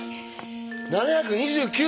７２９か。